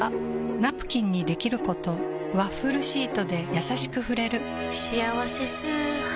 ナプキンにできることワッフルシートでやさしく触れる「しあわせ素肌」